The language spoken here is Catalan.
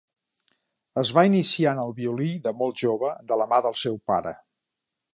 Es va iniciar en el violí de molt jove de la mà del seu pare.